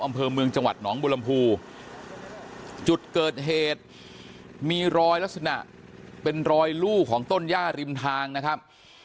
อำเภอเมืองจังหวัดหนองบุรมภูจุดเกิดเหตุมีรอยลักษณะเป็นรอยลู่ของต้นย่าริมทางนะครับ